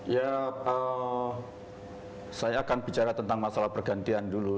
ya saya akan bicara tentang masalah pergantian dulu